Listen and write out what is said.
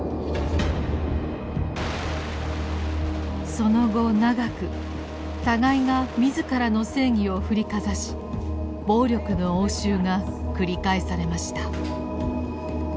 その後長く互いが自らの正義を振りかざし暴力の応酬が繰り返されました。